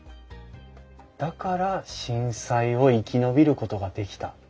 だから震災を生き延びることができた。